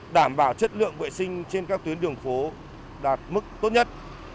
đảm bảo chất lượng vệ sinh trên các tuyến đường phố đạt mức tốt nhất